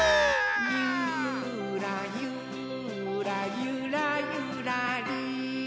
「ゆーらゆーらゆらゆらりー」